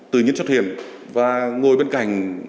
tự nhiên xuất hiện và ngồi bên cạnh